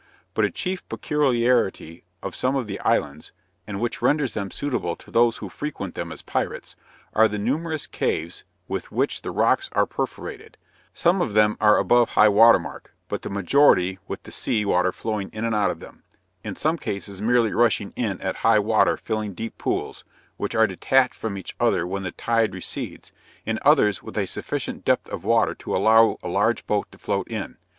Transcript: But a chief peculiarity of some of the islands, and which renders them suitable to those who frequent them as pirates, are the numerous caves with which the rocks are perforated; some of them are above high water mark, but the majority with the sea water flowing in and out of them, in some cases merely rushing in at high water filling deep pools, which are detached from each other when the tide recedes, in others with a sufficient depth of water to allow a large boat to float in.